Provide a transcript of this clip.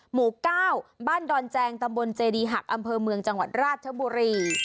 หมู่๙บ้านดอนแจงตำบลเจดีหักอำเภอเมืองจังหวัดราชบุรี